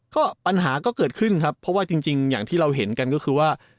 ก็ปัญหาก็เกิดขึ้นครับเพราะว่าจริงอย่างที่เราเห็นกันก็คือว่า